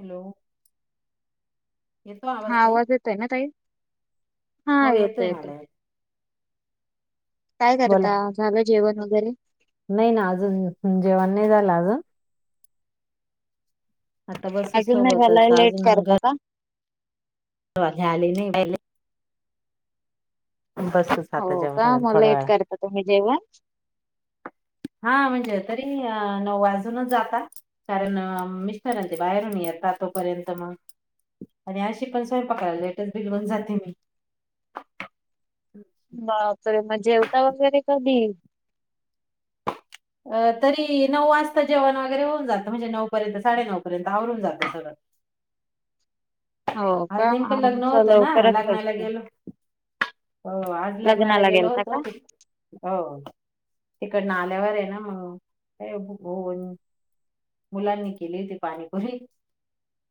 Hello येतो हा ताई आवाज येतोय ना ताई. हा हो येतोय येतोय. मला काय बोला करता. झालं जेवण वगैरे. नाही ना अजून. जेवण नाही झालं अजून. आता बसू अजून नाही झाल सोबतच आहे लेट करत का? हे आले नाही. बसतोच आता हो का जेवायला मग थोडा लेट वेळाने. करता तुम्ही जेवण? हा म्हणजे तरी नऊ वाजूनच जाता. कारण मिस्टर आणि ते बाहेरून ये येतात. तोपर्यंत मग आणि अशी पण स्वयंपाकायला लेटच बिलगुन जाते मी. बापरे मग जेवता वगैरे कधी? तरी नऊ वाजता जेवण वगैरे होऊन जातं. म्हणजे नऊ पर्यंत साडेनऊ पर्यंत आवरून जातं सगळं. [inaudible] आज का नेमकं लग्न आमचं होतं ना. लवकरच लग्नाला असतं. गेलो. हो आज लग्नाला गेलो गेलता का? होतो. ते हो तिकडन आल्यावर ना मग काही भुक होऊन मुलांनी केली होती ती पाणीपुरी.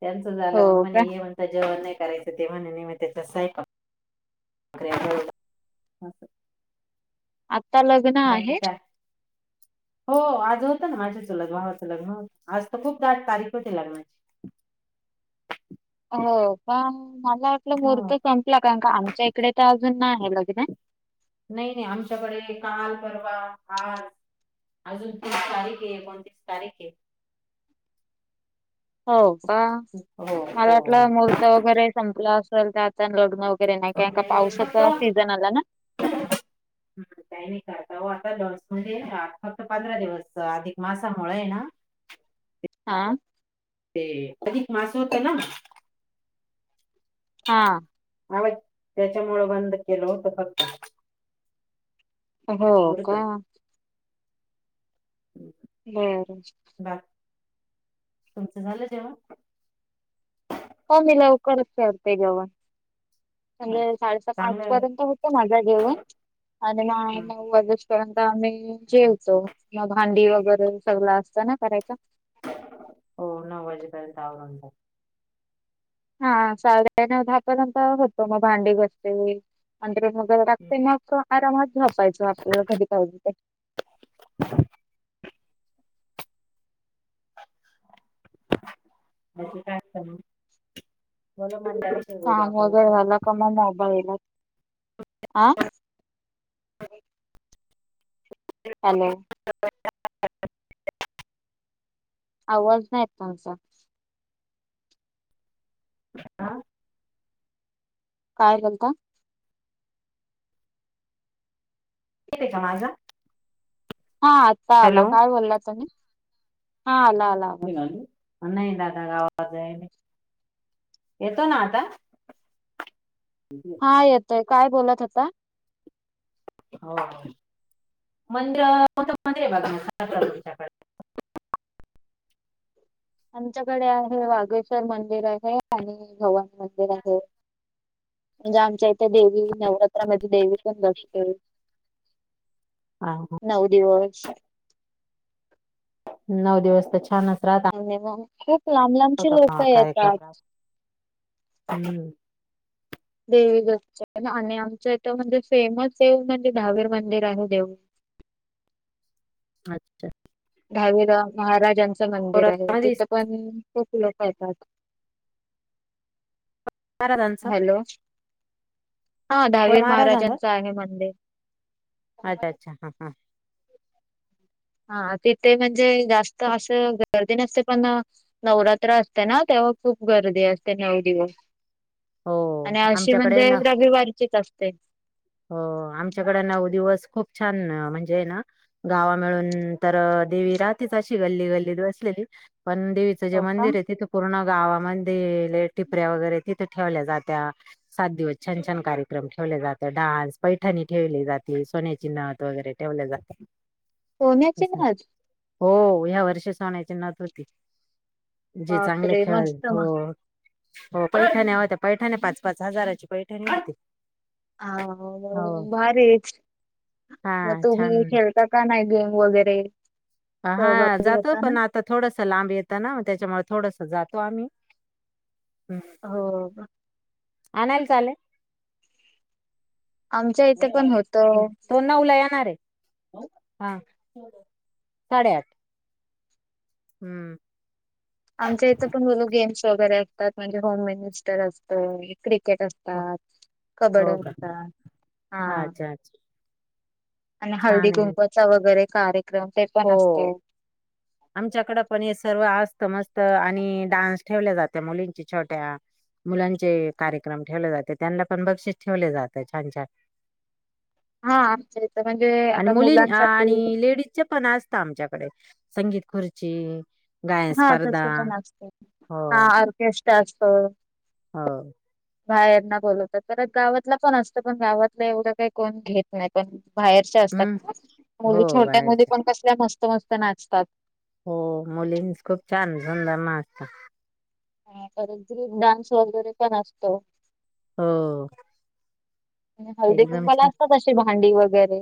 त्यांचं झालं. मग हो म्हणे का हे म्हणतात जेवण नाही करायचं ते म्हणे की हे त्याच स्वयंपाक [unintelligible] आता लग्न बाकी आहेत? काय हो आज होतं ना माझ्या चुलत भावाचं लग्न होत. आज तर खूप दाट तारीख होती लग्नाची. [unintelligible] हो पण मला वाटलं हो मूर्त संपला कारण का आमच्या इकडे त पण मागे लग्न आहे. नाही नाही आमच्याकडे काल परवा आज अजून [unintelligible] तीस तारीख ये एकोणतीस तारीख ये हो का हो मला हो हो वाटलं मूर्त वगैरे संपलं असेल तर आता लग्न वगैरे नाही का का नाही फक्त पावसाचा सीझन आला ना. हम्म [unintelligible] काही नाही करता ओ आता लस म्हणजे फक्त पंधरा दिवस अधिक मासामुळे आहे ना हा. ते अधिक मास होत ना हा. आ त्यांच्यामुळ बंद केलं होत फक्त. हो मुहूर्त का. बरं. बाकी तुमचं झालं जेवण. हो मी लवकरच करते जेवण. अच्छा. म्हणजे साडेसात आठ चांगलं आहे. पर्यंत होत माझा जेवण आणि मग नऊ वाजेपर्यंत आम्ही जेवतो म भांडी वगैरे सगळ असतं ना करायच हो नऊ वाजेपर्यंत आवरून जात. हा साल न दहापर्यंत होतो मग भांडी घस्ते अंतर म ते मग आरामात झपायच आपल्या घरी पाऊज ते [unintelligible] बोलू काम आपण वगैरे एखाद्या. झालं का मग मोबाईल म आं. हॅलो. आवाज नाहीत येत तुमचा. [unintelligible] काय बलता येत ये का माझा. हा आत्ता आला हॅलो काय बोलला तुम्ही हा आला. आला आवाज अ नय दाद. गावात येतो ना आता. हा येतोय काय बोलत होता. हो. मंद्र होत [unintelligible] बघ ना तुमच्याकडे आमच्याकडे आहे वागेश्वर मंदिर आहे आणि भ [unintelligible] वन मंदिर आहे. म्हणजे आमच्या इथे देवी नवरात्रामध्ये देवी पण बसते. नऊ दिवस नऊ दिवस तर छान अस. आणि मग खूप लांब लांबचे लोक का- कार्यक्रम राहत येतात. हम्म. देवी गर्च्या आणि आमचं इथं म्हणजे फेमस देऊ म्हणजे दहावीर मंदिर आहे देऊळ. [inaudible] अच्छा. दहावीला महाराजांचं मंदिर आहे तिथं पण खूप लोक येतात. हॅलो [unintelligible] हा कोण दहावीर महाराजांचा महाराजांचं आहे मंदिर. अच्छा अच्छा हा हा. हा तिथे म्हणजे जास्त असं गरज नसते पण नवरात्र असते ना तेव्हा खूप गर्दी असते नऊ दिवस हो आणि अशी आमच्याकडे म्हणजे ना रविवारीचीच असते हो आमच्याकडे नऊ दिवस खूप छान म्हणजे ना गावा मिळून तर देवी रातच अशी गल्ली गल्ली बसलेली पण देवीचं जे हो का मंदिर आहे तिथं पूर्ण गावामध्येले टिपऱ्या वगैरे तिथे ठेवल्या जात्या सात दिवस छान छान कार्यक्रम ठेवल्या जात्या डान्स पैठणी ठेवली जाते सोन्या चि नावत वगैरे ठेवले जातात सम्याचे नाज हो ह्या वर्षी स होण्यायची नत होती जे चांगले बापरे खेळ मस्त हो म हो पैठाण्या होत्या पैठाणी पाच पाच हजाराची पैठणी होती हा हो म भारीच हा मग तुम्ही छान खेळता का नाही गेम वगैरे हा सहभागी जातो होता ना पण आता थोडस लांब येतं ना म त्याच्यामुळे थोडस जातो आम्ही हम्म. हो आणायला चाले आमच्या इथे पण होत ् तो ना उला येणार आहे हा साडेआठ हम्म आमच्या इथे पण बोल गेम्स वगैरे असतात म्हणजे होम मिनिस्टर असतं क्रिकेट हो असतात कबड्डी हो का असतात हा अच्छा अच्छा आणि हळदी छान आहे कुंकचा वगैरे कार्यक्रम ते पण असतो आमच्याकडें पण हे सर्व अस मस्त मस्त आणि डान्स ठेवल्या जाते मुलींची छोट्या मुलांचे कार्यक्रम ठेवले जाते त्यांना पण बक्षस ठेवले जात छान छान [inaudible] इथं म्हणजे आणि आता मुलीं मुलांसाठी आणि लेडीज पण असत आमच्याकडे संगीत खुरची हा तस पण असतं हा ऑर्केस्ट्रा असतो हो बाहेरना बोलवत तरत गावातला पण असतं पण गावातला एवढं काही कोण घेत नाही पण बाहेरच्या हम्म असतात हो मुली छोट्यांमध्ये बाहेरच्या पण कसल्या मस्त मस्त नाचतात हो मुलीं खूप छान झंदा मा असत हा परत ग्रुप डान्स वगैरे पण असतो हो हळदी एकदम कुंबाला छान असतात अशी भांडी वगैरे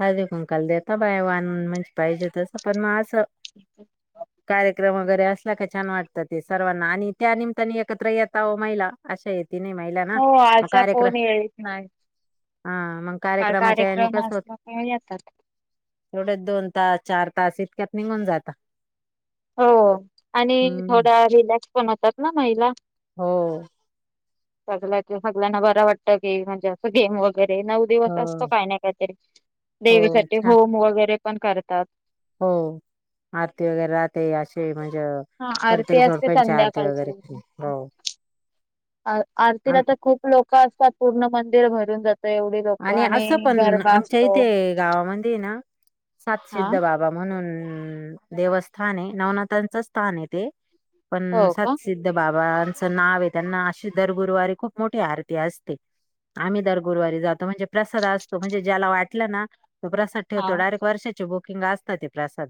ह कुंकल देता बाय वान म्हणज पाहिजे तसं पण मग असं कार्यक्रम वगैरे असल्या का छान वाटत ते सर्वांना आणि त्यानितने एकत्र येता महिला अशा येत त नाही महिला ना हो मग असा कार्यक्रम कोण येत नाही. हा मग कार्यक्रमाच्या याने कार्यक्रम कस होते असला तेव्हा येतात. एवढ दोन तास चार तास इतक्यात निघून जात हो आणि थोडा रिलॅक्स पण होतात ना महिला हो सग सगळ्यांना बरं वाटत की म्हणजे असं गेम वगै वगैरे नऊ हो दिवस असतो काही ना काहीतरी हो देवीसाठी छान होम वगैरे पण करतात हो आरती वगैरे राहते असे म्हणजे म्ह हा प्रतेक आरती असते जोडपची आरती वगैरे संध्याकाळची हो आम आरतीला आता खूप लोक असतात पूर्ण मंदिर भरून जातात एवढी लोक आणि असं पण गरबा आमच्या असतो इथे गावामध्ये ना हा सातसिद्ध बाबा म्हणून देवस्थान आहे नवनाथांचं स्थान आहे ते पण हो का सत्सिद्ध बाबा ना त्यांना अ दरगुरुवारी खूप मोठी आरती असते आम्ही दर गुरुवारी ज म्हणजे प्रसाद असतो म्हणजे ज्याला वाटला ना तो प्रसाद हा ठेवतो डायरेक्ट वर्षाची बु िंग असत ते प्रसाद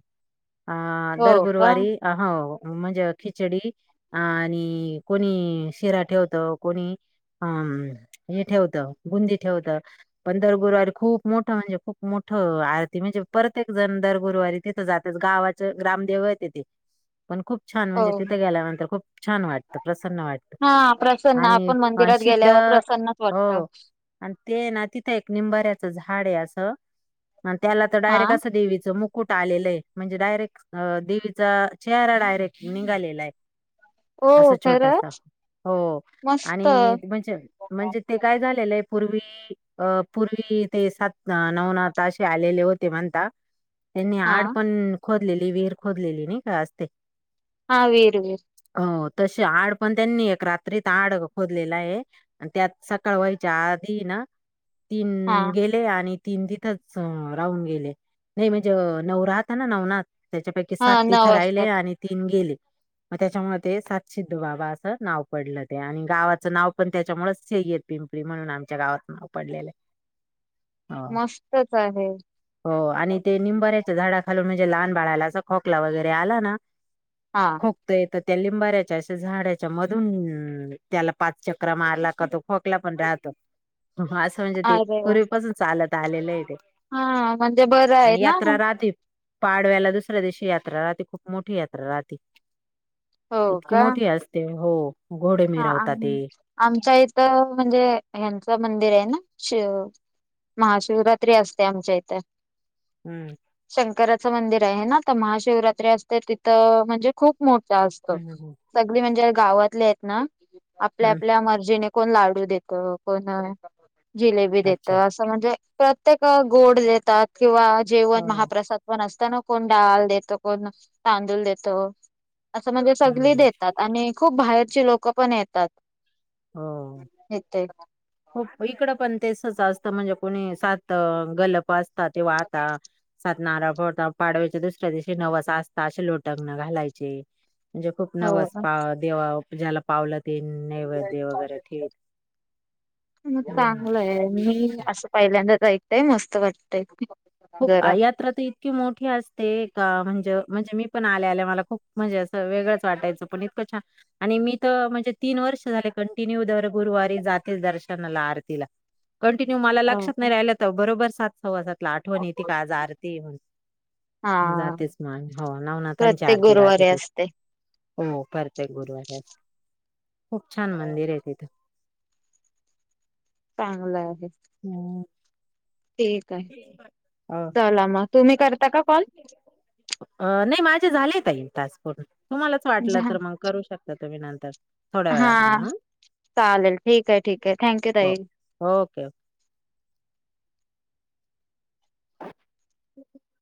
अ हो दर का गुरुवारी हो म्हणजे खिचडी आणि कोणी शिरा ठेवत कोणी हम हे ठेवतं बुंदी ठेवतं पण दरगुरुवारी खूप मोठं म्हणजे खूप मोठं आरती म्हणजे प्रत्येक जण दरगुरुवारी तिथं जात गावाचे ग्रमदेव यते ते पण खूप छान हो म्हणजे तिथे गेल्यानंतर खूप छान वाटत प्रसन्न वाटत हा प्रसन्न आणि आपण मंदिरात गेल्यावर चित्र प्रसन्नच वाटत ना तिथं एक निंबाऱ्याच झाड आहे अस त्याला तर हा डायरेक्ट अस देच मु कुठं आलेलंय म्हणजे डायरेक्ट अ देवीचा चेहरा डायरेक्ट निघालेलाय हो खरं हो आणि म्हणजे म्हणजे ते काय झालेलं आहे पूर्वी अ पूर्वी ते सात नवनाताे आलेले होते म्हणता त्यांनी हा आड पण खोदलेली विर खोदलेली नाही का असते हा वेर वर हो तशी आड पण त्यांनी एक रात्रीत आड खोदलेला आहे आणि त्यात सकाळ व्हायच्या आत त ना तीन हा गेले आणि तीन तथच राहून गेले नाही म्हणजे नव राहत आहे ना नवनाथ त्याच्यापैकी हा साती नऊ थरायले असतात आणि तीन गेले मग त्याच्यामुळे ते सातसिद्ध बाबा असं नाव पडलं ते आणि गावाचं नाव पण त्याच्यामुळेच गीर पिंपळी म्हणून आमच्या गावात नाव पडलेलं आहे ह मस्तच आहे हो आणि ते निंबाऱ्याच्या झाडा खालून म्हणजे लहान बाळाला अस खोकला वगैरे आला ना हा खोकत त्या लिंबाऱ्याच्या अे झाडाच्या मधून त्याला पाच चक्र मारला का तो खोकला पण राहतो असं म्हणजे ते अरे वा पूर्वीपासून चालत आलेलं आहे ते हा म्हणजे बरं आहे आणि ना यात्रा राहते. पाडव्याला दुसऱ्या दिवशी यात्रा राह खूप मोठी यात्रा राह हो इतकी का मोठी असते हो घोडे हा मिरवतात ते आमच्या इथ म्हणजे ह्यांच मंदिर आहे ना शिव महाशिवरात्री असते आमच्या इथे हम्म शंकराचं मंदिर आहे ना तर महाशिवरात्री असते तिथं म्हणजे खूप मोठं असत हम्म हम्म. सगळी म्हणजे गावातले आहेत ना आपल्या हम्म आपल्या मर्जीने कोण लाडू देत कोण जिलेबी देत अच्छा असं म्हणजे प्रत्येक गोड देतात किंवा जेवण हो महाप्रसाद पण असत ता ना कोण डाल देतो कोण तांदूळ देतो असं म्हणजे सगळी हम्म देतात आणि खूप बाहेरचे लोक पण येतात हो. इथे हो इकड पण तेसच असतं म्हणजे कोणी सात गलप असत तेव आता नारळ फडता पाडव्याच्या दुसऱ्या दिवशी नवस आस्ता असे लोटग न घालायचे म्हणजे खूप हो नवस का? पा देवा ज्याला पावलं ते नैवेद्य वगैरे ठेवीत मग हम्म. चांगलं आहे मी असं पहिल्यांदाच ऐकतय मस्त वाटतय खूप जरा यात्रा तर इतकी मोठी असते का म्हणजे म्हणजे मी पण आले आले मला खूप म्हणजे असं वेगळंच वाटायचं पण इतकं छान आणि मी तर म्हणजे तीन वर्ष वर्ष झा कंटिन्यू गुरुवारी जातेच दर्शनाला आरतीला कंटिन्यू मला हो लक्षात का? नाही राहिलं तर बरोबर सात सव्वाजातला आठवणी य त का आज आरती हा जातेच मग हो नावनाथांची प्रत्येक आरती गुरुवारी राहतेथे असते हो परत गुरुवारी हो प्रत्येक गुरुवारी खूप छान मंदिर आहे तिथं. चांगलं आहे. हो. ठीक आहे अ चला मग तुम्ही करता का कॉल अ नाही माझ. झाले येईल टास् पर् तुम्हालाच वाटलं तर मग करू शकता तुम्ही नंतर थोड्या हा वेळाने मग हं. चालेल ठीक आहे ठीक आहे थँक यू ताई. हो ओके [unintelligible] [unintelligible]